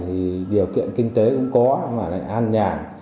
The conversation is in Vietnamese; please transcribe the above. thì điều kiện kinh tế cũng có mà lại an nhàn